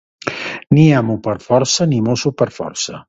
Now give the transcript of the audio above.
Ni amo per força, ni mosso per força.